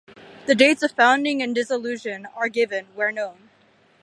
Dates of founding and dissolution are given, where known.